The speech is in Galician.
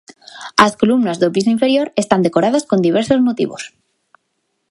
As columnas do piso inferior están decoradas con diversos motivos.